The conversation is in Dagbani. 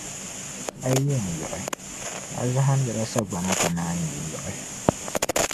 A yi yɛn yiɣi, a zahindila sagbana ka naanyi yiɣi.